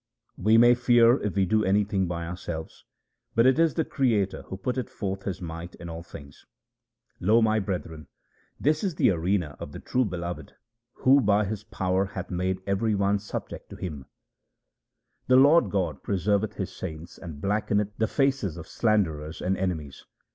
We may fear if we do anything by ourselves ; but it is the Creator who putteth forth His might in all things. Lo ! my brethren, this is the arena of the true Beloved who by His power hath made every one subject to Him. HYMNS OF GURU RAM DAS 305 The Lord God preserveth His saints and blackeneth the faces of slanderers and enemies.